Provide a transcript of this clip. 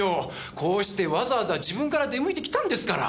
こうしてわざわざ自分から出向いてきたんですから。